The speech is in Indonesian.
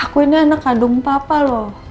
aku ini anak kandung papa loh